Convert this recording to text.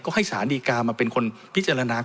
ก็ให้สารดีกามาเป็นคนพิจารณา